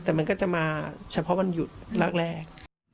แต่มันก็จะมาเฉพาะวันหยุดแรก